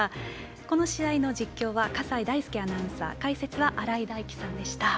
この試合の実況は笠井大輔アナウンサー解説は新井大基さんでした。